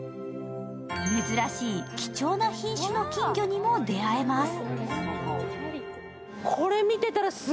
珍しい貴重な品種の金魚にも出会えます。